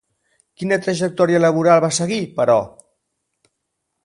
Quina trajectòria laboral va seguir, però?